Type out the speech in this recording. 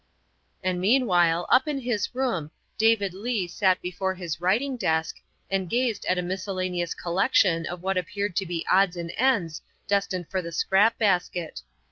And meanwhile up in his room David Leigh sat before his writing desk and gazed at a miscellaneous collection of what appeared to be odds and ends destined for the 174 THE WIFE OF scrap basket.